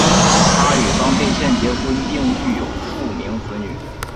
他与方佩倩结婚并育有数名子女。